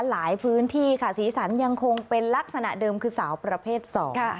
หลายพื้นที่ค่ะสีสันยังคงเป็นลักษณะเดิมคือสาวประเภทสอง